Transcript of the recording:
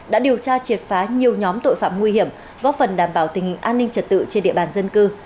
đã điều tra triệt phá nhiều nhóm tội phạm nguy hiểm góp phần đảm bảo tình hình an ninh trật tự trên địa bàn dân cư